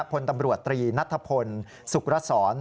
พลตำรวจตรีณฑพลสุขระสรรค์